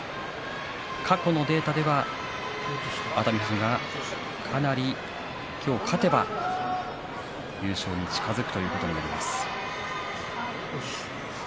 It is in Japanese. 過去のデータでは熱海富士がかなり今日勝てば優勝に近づくということになります。